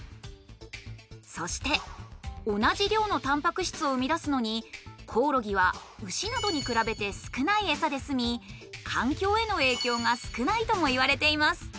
そして同じ量のタンパク質を生み出すのにコオロギは牛などに比べて少ないエサですみ環境への影響が少ないともいわれています。